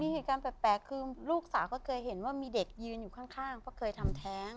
เหตุการณ์แปลกคือลูกสาวก็เคยเห็นว่ามีเด็กยืนอยู่ข้างเพราะเคยทำแท้ง